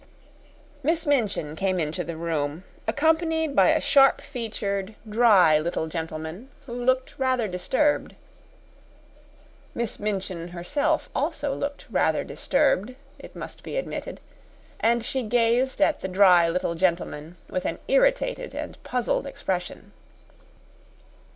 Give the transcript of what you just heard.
Miss Minchin came into the room, accompanied by a sharp featured, dry little gentleman, who looked rather disturbed. Miss Minchin herself also looked rather disturbed, it must be admitted, and she gazed at the dry little gentleman with an irritated and puzzled expression.